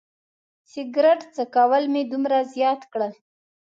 سګرټ څکول مې دومره زیات کړل.